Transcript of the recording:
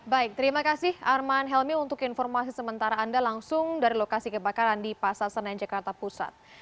baik terima kasih arman helmi untuk informasi sementara anda langsung dari lokasi kebakaran di pasar senen jakarta pusat